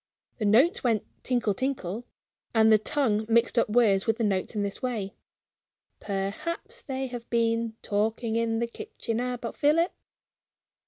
The notes went tinkle, tinkle and the tongue mixed up words with the notes in this way: "Perhaps they have been talking in the kitchen about Philip?"